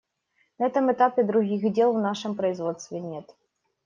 На этом этапе других дел в нашем производстве нет.